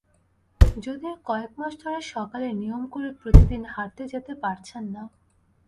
যদিও কয়েক মাস ধরে সকালে নিয়ম করে প্রতিদিন হাঁটতে যেতে পারছেন না।